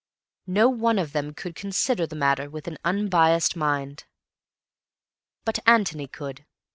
No one of them could consider the matter with an unbiased mind. But Antony could.